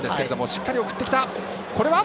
しっかり送ってきた。